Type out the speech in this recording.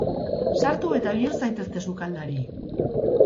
Sartu eta bihur zaitezte sukaldari!